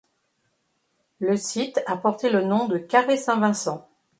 Le site a porté le nom de Carré Saint-Vincent.